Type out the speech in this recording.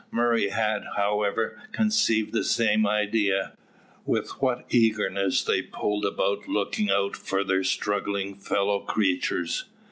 Murray had, however, conceived the same idea. With what eagerness they pulled about looking out for their struggling fellow creatures!